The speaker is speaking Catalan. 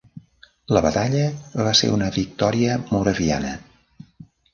La batalla va ser una victòria moraviana.